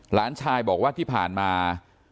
หลานชายบอกว่าที่ผ่านมา